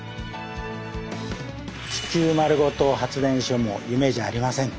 地球まるごと発電所も夢じゃありません。